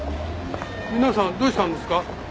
皆さんどうしたんですか？